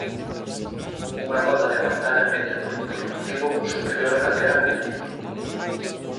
Unha cota de pantalla media por informativo superior a calquera competidor.